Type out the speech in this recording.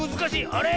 あれ？